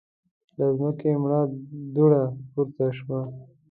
له ځمکې مړه دوړه پورته شوه.